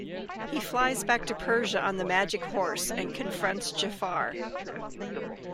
He flies back to Persia on the magic horse and confronts Jaffar.